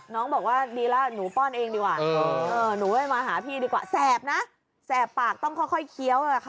น้องบอกว่าดีแล้วหนูป้อนเองดีกว่าหนูไม่มาหาพี่ดีกว่าแสบนะแสบปากต้องค่อยเคี้ยวเลยค่ะ